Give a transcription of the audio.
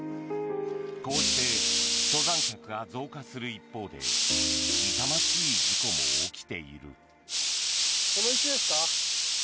こうして登山客が増加する一方で痛ましい事故も起きている。